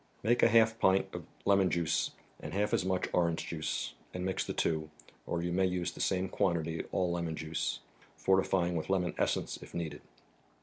Make half a pint of lemon juice and half as much orange juice, and mix the two; or you may use the same quantity all lemon juice, fortifying with lemon essence, if needed.